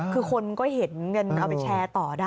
คือคนก็เห็นกันเอาไปแชร์ต่อได้